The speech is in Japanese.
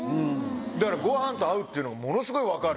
だからご飯と合うっていうのはものすごい分かる。